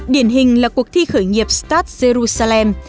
điển hình là cuộc thi khởi nghiệp start jerusalem